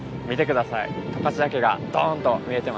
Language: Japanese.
十勝岳がドンと見えてますよ。